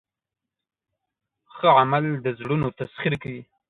ښه عمل د زړونو تسخیر کوي.